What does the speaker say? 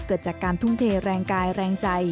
เกิดจากการทุ่มเทแรงกายแรงใจ